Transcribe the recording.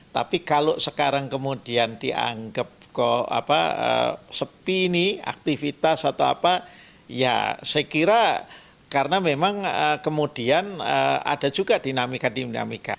tapi kalau sekarang kemudian dianggap sepi ini aktivitas atau apa ya saya kira karena memang kemudian ada juga dinamika dinamika